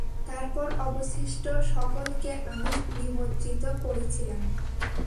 তারপর অবশিষ্ট সকলকে আমি নিমজ্জিত করেছিলাম।